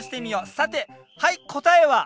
さてはい答えは？